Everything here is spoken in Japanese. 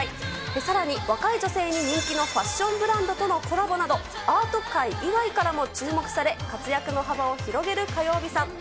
さらに、若い女性に人気のファッションブランドとのコラボなど、アート界以外からも注目され、活躍の幅を広げる火曜びさん。